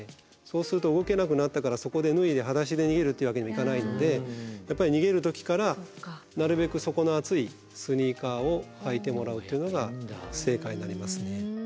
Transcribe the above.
そうすると動けなくなったからそこで脱いではだしで逃げるというわけにもいかないのでやっぱり逃げる時からなるべく底の厚いスニーカーを履いてもらうというのが正解になりますね。